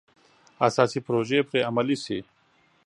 اساسي پروژې پرې عملي شي.